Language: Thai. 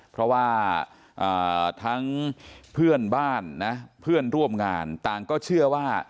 เพราะว่าทั้งเพื่อนบ้านนะเพื่อนร่วมงานต่างก็เชื่อว่า